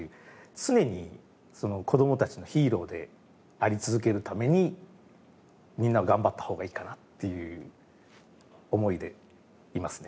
常に子どもたちのヒーローであり続けるためにみんな頑張った方がいいかなっていう思いでいますね。